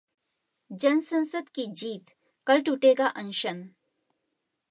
जनसंसद की जीत, कल टूटेगा अनशन